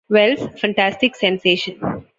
Wells' Fantastic Sensation.